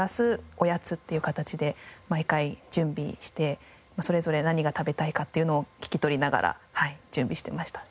おやつっていう形で毎回準備してそれぞれ何が食べたいかっていうのを聞き取りながら準備してました。